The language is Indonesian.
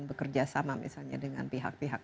bekerja sama misalnya dengan pihak pihak